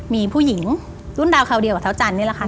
มีผู้หญิงรุ่นดาวคราวเดียวกับเท้าจันนี่แหละค่ะ